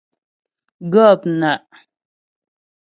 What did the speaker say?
Gɔ̂pnaʼ.